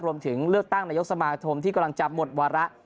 รวมถึงเลือกตั้งนายกสมาคมที่กำลังจะหมดวาระ